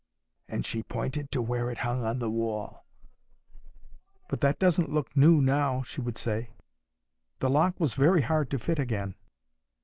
And she pointed to where it hung on the wall. 'But that doesn't look new now,' she would say. 'The lock was very hard to fit again.